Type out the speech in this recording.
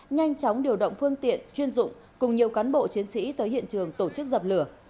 nhanh chóng điều động phương tiện chuyên dụng cùng nhiều cán bộ chiến sĩ tới hiện trường tổ chức dập lửa